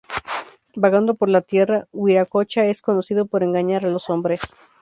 Vagando por la tierra, Wiracocha es conocido por engañar a los hombres.